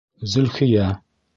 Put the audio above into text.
Зөлхиә!